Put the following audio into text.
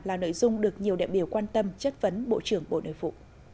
là nội dung được nhiều đại biểu quan tâm chất vấn bộ trưởng bộ nội vụ